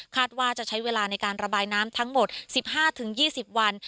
ว่าจะใช้เวลาในการระบายน้ำทั้งหมด๑๕๒๐วัน